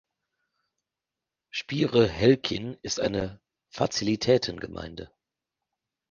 Spiere-Helkijn ist eine Fazilitäten-Gemeinde.